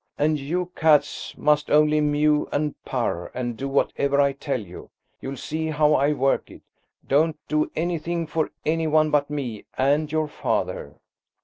"And you cats must only mew and purr, and do whatever I tell you. You'll see how I work it. Don't do anything for any one but me and your father."